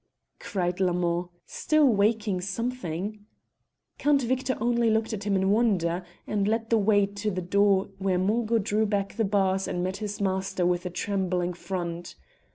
cried Lamond, still waking something. Count Victor only looked at him in wonder, and led the way to the door where Mungo drew back the bars and met his master with a trembling front.